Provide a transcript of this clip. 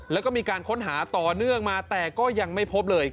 และก็ค้นหาต่อเนื้อออกมาแต่ก็ยังไม่พบเลย